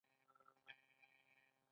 دوی سیاسي ټولنه تشکیلوي.